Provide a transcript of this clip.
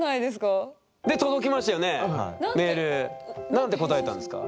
何て答えたんですか？